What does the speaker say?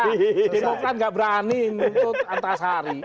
di buklan enggak berani untuk antasari